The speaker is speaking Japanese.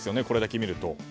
これだけ見ると。